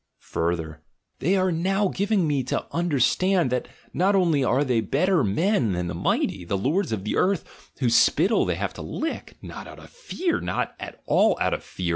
" Further ! "They are now giving me to understand, that not only aie they better men than the mighty, the lords of the earth, whose spittle they have got to lick {not out of fear, not at all out of fear!